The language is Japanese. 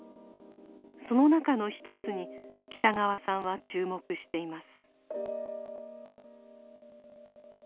その中のひとつに北川さんは注目しています。